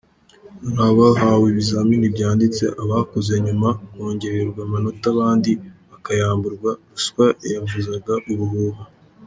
Hari abahawe ibizamini byanditse, abakoze nyuma, kongererwa amanota abandi bakayamburwa, ruswa yavuzaga ubuhuha.